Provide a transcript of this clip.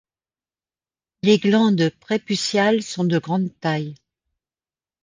Les glandes prépuciales sont de grande taille.